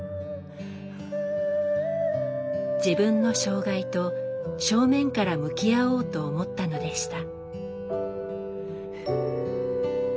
自分の障害と正面から向き合おうと思ったのでした。